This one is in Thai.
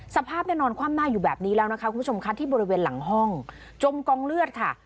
สภาพเนี่ยนอนคว่ำหน้าอยู่แบบนี้แล้วนะคะคุณผู้ชมคะที่บริเวณหลังห้องจมกองเลือดค่ะ